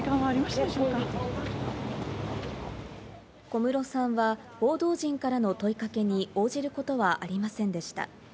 小室さんは報道陣からの問いかけに応じることはありませんでした。